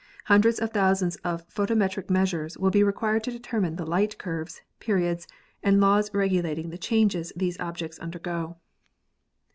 Hundreds of thousands of photometric measures will be required to determine the light curves, periods and laws regulating the changes these objects undergo."